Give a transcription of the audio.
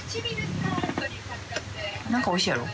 何かおいしいやろ？